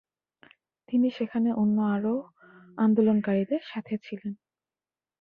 তিনি সেখানে অন্য আরো আন্দোলনকারীদের সাথে ছিলেন।